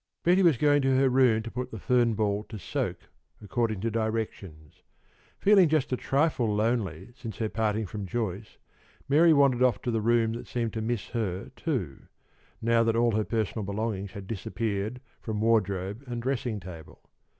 Betty was going to her room to put the fern ball to soak, according to directions. Feeling just a trifle lonely since her parting from Joyce, Mary wandered off to the room that seemed to miss her, too, now that all her personal belongings had disappeared from wardrobe and dressing table.